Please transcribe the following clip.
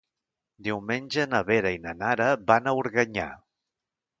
Diumenge na Vera i na Nara van a Organyà.